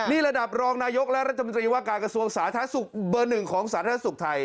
นี่ระดับรองนายกและรัฐมนตรีว่าการกระทรวงสาธารณสุขเบอร์หนึ่งของสาธารณสุขไทย